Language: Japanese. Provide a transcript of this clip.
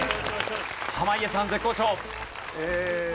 濱家さん絶好調。